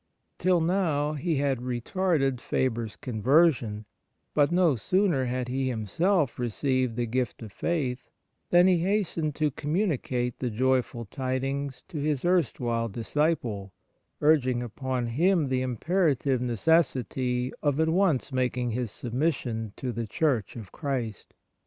Till now he had retarded Memoir of Father Faber g Faber's conversion, but no sooner had he himself received the gift of faith than he hastened to communicate the joyful tidings to his erstwhile disciple, urging upon him the imperative necessity of at once making his submission to the Church of Christ.